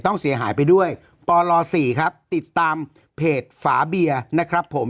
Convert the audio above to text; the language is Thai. ต้องเสียหายไปด้วยปล๔ครับติดตามเพจฝาเบียร์นะครับผม